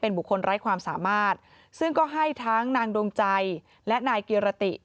บุคคลไร้ความสามารถซึ่งก็ให้ทั้งนางดวงใจและนายกิรติ